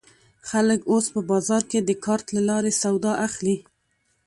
خلک اوس په بازار کې د کارت له لارې سودا اخلي.